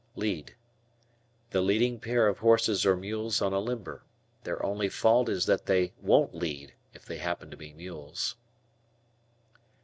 "Lead." The leading pair of horses or mules on a limber. Their only fault is that they won't lead (if they happen to be mules).